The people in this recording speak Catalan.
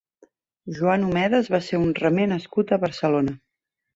Juan Omedes va ser un remer nascut a Barcelona.